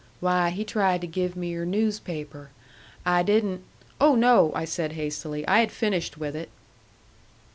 "Why, he tried to give me your newspaper. I didn't " "Oh, no," I said hastily. "I had finished with it."